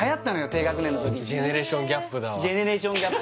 低学年の時にジェネレーションギャップ